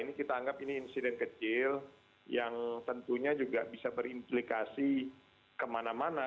ini kita anggap ini insiden kecil yang tentunya juga bisa berimplikasi kemana mana